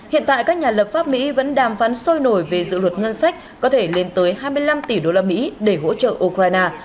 hiện tại các nhà lập pháp mỹ vẫn đàm phán sôi nổi về dự luật ngân sách có thể lên tới hai mươi năm tỷ đô la mỹ để hỗ trợ ukraine